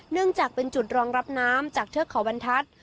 เนื่องจากเป็นจุดรองรับน้ำจากเทือกเขาบรรทัศน์